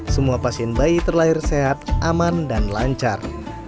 semua pasien bayi terlahir sehat aman dan lancar